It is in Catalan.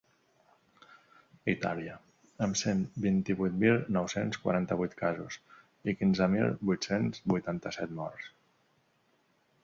Itàlia, amb cent vint-i-vuit mil nou-cents quaranta-vuit casos i quinze mil vuit-cents vuitanta-set morts.